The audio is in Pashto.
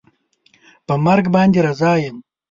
په مرګ باندې رضا یم